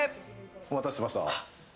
お待たせいたしました。